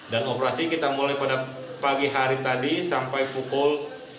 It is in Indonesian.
dan operasi kita mulai pada pagi hari tadi sampai pukul tujuh belas